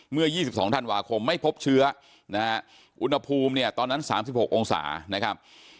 เมื่อ๒๒ธันวาคมไม่พบเชื้อนะฮะอุณหภูมิเนี่ยตอนนั้น๓๖องศานะครับ